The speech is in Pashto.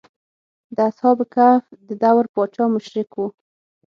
د اصحاب کهف د دور پاچا مشرک و.